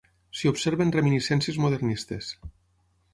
S'hi observen reminiscències modernistes.